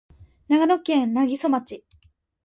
長野県南木曽町